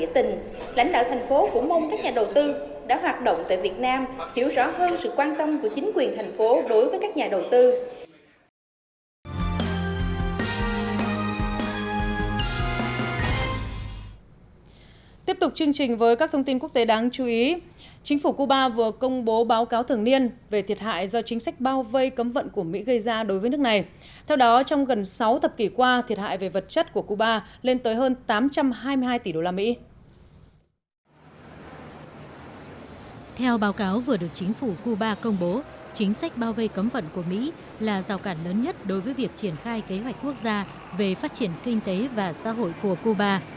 theo báo cáo vừa được chính phủ cuba công bố chính sách bao vây cấm vận của mỹ là rào cản lớn nhất đối với việc triển khai kế hoạch quốc gia về phát triển kinh tế và xã hội của cuba